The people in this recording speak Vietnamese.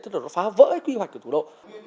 tức là nó phá vỡ quy hoạch của thủ đô